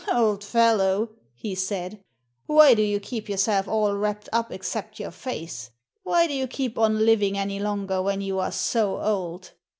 "Old fellow," he said, "why do you keep yourself all wrapped up except your face? Why do you keep on living any longer when you are so old?"